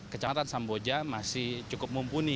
kecamatan samboja masih cukup mumpuni